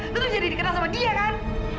lo tuh jadi dikenal sama dia kan